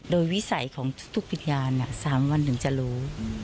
โดยวิสัยของทุกวิญญาณ๓วันถึงจะรู้